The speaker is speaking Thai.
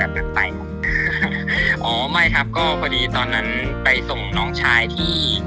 แบบไตหมดอ๋อไม่ครับก็พอดีตอนนั้นไปส่งน้องชายที่